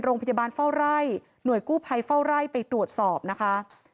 โรงพยาบาลเฝ้าไร่หน่วยกู้ภัยเฝ้าไร่ไปตรวจสอบนะคะ